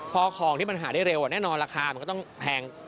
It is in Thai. พอของที่มันหาได้เร็วแน่นอนราคามันก็ต้องแพง